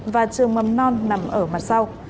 và trường mầm non nằm ở mặt sau